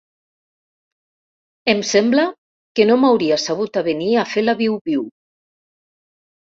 Em sembla que no m'hauria sabut avenir a fer la viu-viu.